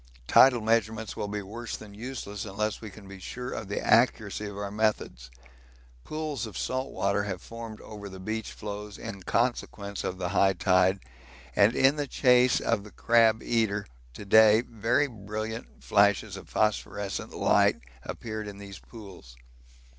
Tidal measurements will be worse than useless unless we can be sure of the accuracy of our methods. Pools of salt water have formed over the beach floes in consequence of the high tide, and in the chase of the crab eater to day very brilliant flashes of phosphorescent light appeared in these pools.